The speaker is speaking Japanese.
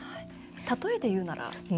例えていうなら？